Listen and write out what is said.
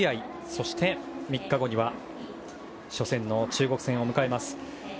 そして、３日後には初戦の中国戦を迎えます。